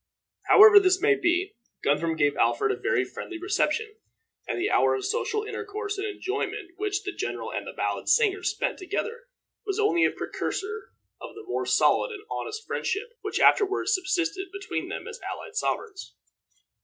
However this may be, Guthrum gave Alfred a very friendly reception, and the hour of social intercourse and enjoyment which the general and the ballad singer spent together was only a precursor of the more solid and honest friendship which afterward subsisted between them as allied sovereigns.